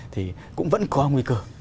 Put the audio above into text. thì cũng vẫn có nguy cơ